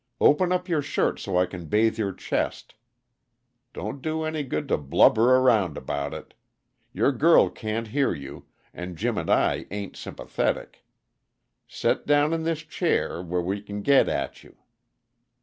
Open up your shirt, so I can bathe your chest. Don't do any good to blubber around about it. Your girl can't hear you, and Jim and I ain't sympathetic. Set down in this chair, where we can get at you."